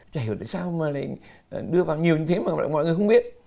chả hiểu tại sao mà lại đưa vào nhiều như thế mà mọi người không biết